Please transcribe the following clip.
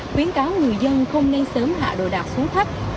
khuyến cáo người dân không nên sớm hạ đồ đạc xuống thấp